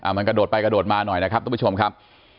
มันกระโดดไปกระโดดมาหน่อยนะครับทุกผู้ชมครับ